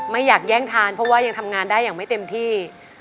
ไม่อยากแย่งทานเพราะว่ายังทำงานได้อย่างไม่เต็มที่